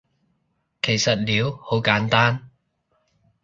其實撩好簡單